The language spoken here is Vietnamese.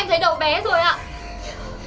em thấy đầu bé rồi ạ